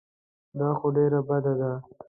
دا خو ډېره بده ده.